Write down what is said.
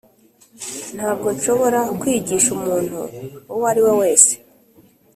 ntabwo nshobora kwigisha umuntu uwo ari we wese,